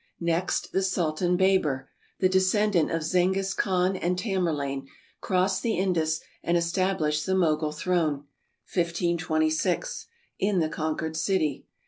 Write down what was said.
Next the Sultan Baber, the descendant of Zhenghis Khan and Tamerlane, crossed the Indus and es tablished the Mogul throne (1526) in the conquered city.